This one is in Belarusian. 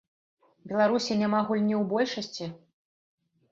Беларусі няма гульні ў большасці?